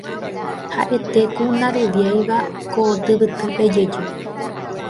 ha'ete ku ndaroviáiva ko tyvytýpe jeju